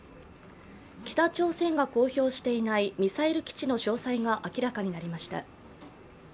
北朝鮮が公表していないミサイル基地の詳細が明らかになりました。